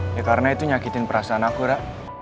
ya karena itu nyakitin perasaan aku kak